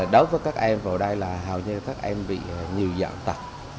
đối với các em vào đây là hầu như các em bị nhiều dạng tật